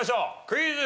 クイズ。